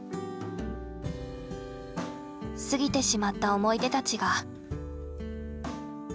過ぎてしまった思い出たちが。